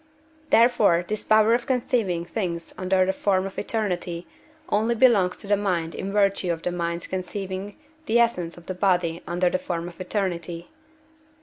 Therefore this power of conceiving things under the form of eternity only belongs to the mind in virtue of the mind's conceiving the essence of the body under the form of eternity.